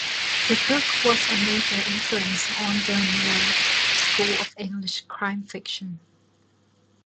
The book was a major influence on the noir school of English crime fiction.